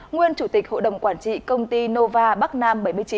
nguyên chủ tịch hội đồng quản trị công ty nova bắc nam bảy mươi chín